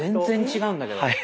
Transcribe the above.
全然違うんだけど。